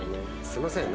すみません。